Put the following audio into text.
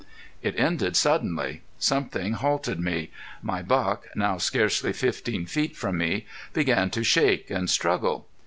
It ended suddenly. Something halted me. My buck, now scarcely fifteen feet from me, began to shake and struggle.